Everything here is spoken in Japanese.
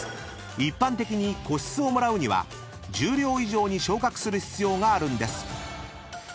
［一般的に個室をもらうには十両以上に昇格する必要があるんです］